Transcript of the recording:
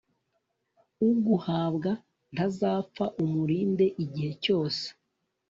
uguhabwa ntazapfa umurinde igihe cyose